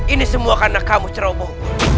ini semua karena kamu ceroboh